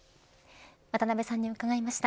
渡辺さんに伺いました。